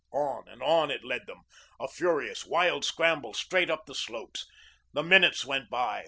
On and on it led them, a furious, wild scramble straight up the slopes. The minutes went by.